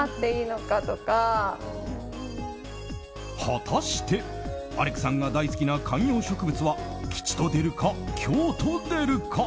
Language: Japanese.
果たしてアレクさんが大好きな観葉植物は吉と出るか、凶と出るか。